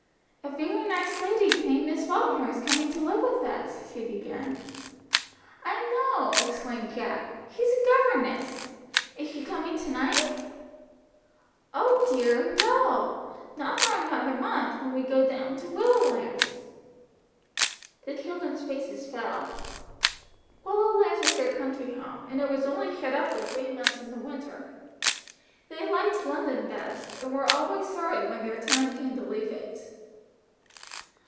"A very nice lady named Miss Falkner is coming to live with us," she began. "I know!" exclaimed Jack. "She's a governess. Is she coming to night?" "Oh dear, no, not for another month, when we go down to Willowlands." The children's faces fell. Willowlands was their country home, and it was only shut up for three months in the winter. They liked London best, and were always sorry when their time came to leave it.